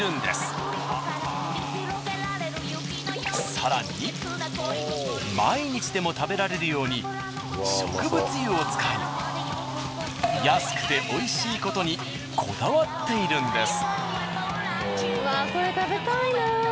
更に毎日でも食べられるように植物油を使い安くて美味しいことにこだわっているんです。